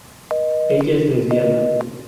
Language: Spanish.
Ella es lesbiana.